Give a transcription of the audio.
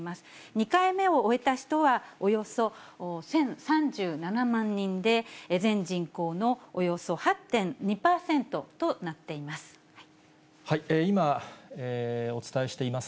２回目を終えた人は、およそ１０３７万人で、全人口のおよそ８．２％となっています。